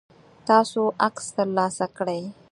تاسو عکس ترلاسه کړئ؟